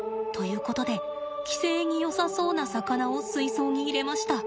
ことで寄生によさそうな魚を水槽に入れました。